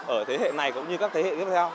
ở thế hệ này cũng như các thế hệ tiếp theo